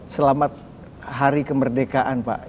selamat hari kemerdekaan pak